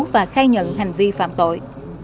và khai nhận hành vi phạm tội